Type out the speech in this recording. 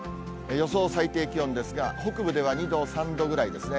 予想最低気温ですが、北部では２度、３度ぐらいですね。